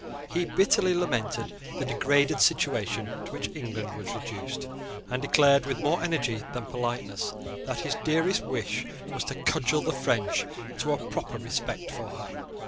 He bitterly lamented the degraded situation to which England was reduced, and declared, with more energy than politeness, that his dearest wish was to cudgel the French into a proper respect for her.